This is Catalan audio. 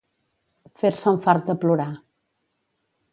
Fer-se un fart de plorar.